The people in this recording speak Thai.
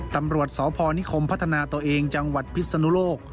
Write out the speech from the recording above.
ตำรวจสพนิคมพัฒนาตัวเองจังหวัดพิศนุโลก